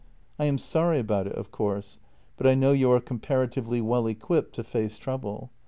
I am sorry about it, of course, but I know you are comparatively well equipped to face trouble.